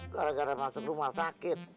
gara gara masuk rumah sakit